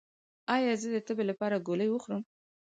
ایا زه د تبې لپاره ګولۍ وخورم؟